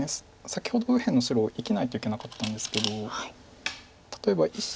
先ほど右辺の白生きないといけなかったんですけど例えば右下の。